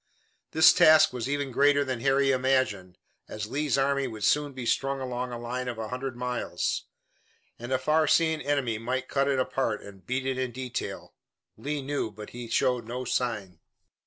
This task was even greater than Harry imagined, as Lee's army would soon be strung along a line of a hundred miles, and a far seeing enemy might cut it apart and beat it in detail. Lee knew, but he showed no sign.